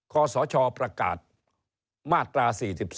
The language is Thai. คศประกาศมาตรา๔๔